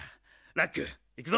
ラックいくぞ！